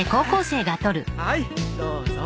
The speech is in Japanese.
はいどうぞ。